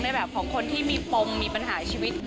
แบบของคนที่มีปมมีปัญหาชีวิต